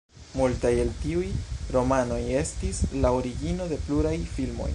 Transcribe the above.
Multaj el tiuj romanoj estis la origino de pluraj filmoj.